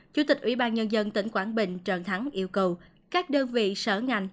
chủ tịch ủy ban nhân dân tỉnh quảng bình trần thắng yêu cầu các đơn vị sở ngành